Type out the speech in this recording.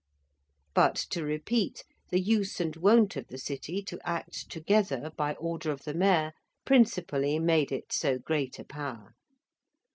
But, to repeat, the use and wont of the City to act together by order of the Mayor, principally made it so great a power.